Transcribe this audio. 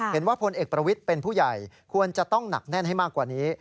พลเอกประวิทย์เป็นผู้ใหญ่ควรจะต้องหนักแน่นให้มากกว่านี้